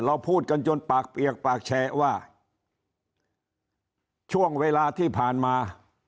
พูดกันจนปากเปียกปากแฉะว่าช่วงเวลาที่ผ่านมา